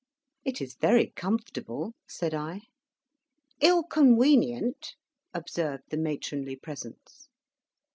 "It is very comfortable," said I. "Ill conwenient," observed the matronly presence.